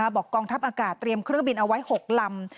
กองทัพอากาศเตรียมเครื่องบินเอาไว้๖ลำ